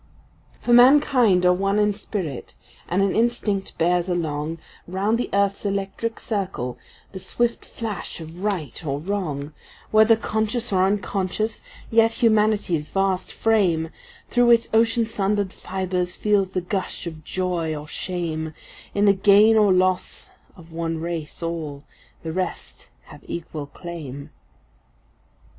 For mankind are one in spirit, and an instinct bears along, Round the earth’s electric circle, the swift flash of right or wrong; Whether conscious or unconscious, yet Humanity’s vast frame Through its ocean sundered fibres feels the gush of joy or shame;— In the gain or loss of one race all the rest have equal claim.